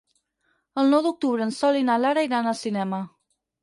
El nou d'octubre en Sol i na Lara iran al cinema.